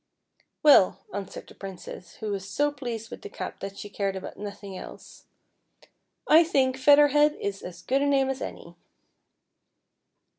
" Well," answered the Princess, who was so pleased with the cap that she cared about nothing else, " I think Feather Head is as good a name as any."